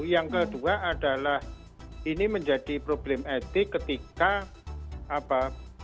yang kedua adalah ini menjadi problem etik ketika apa